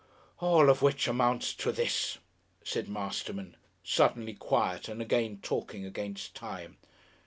"All of which amounts to this," said Masterman, suddenly quiet and again talking against time.